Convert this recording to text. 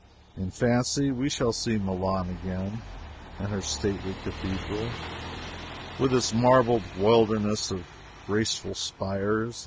In fancy we shall see Milan again, and her stately Cathedral with its marble wilderness of graceful spires.